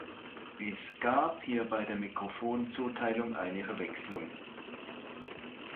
Es gab hier bei der Mikrofonzuteilung eine Verwechslung.